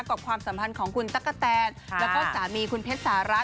ความสัมพันธ์ของคุณตั๊กกะแตนแล้วก็สามีคุณเพชรสาระ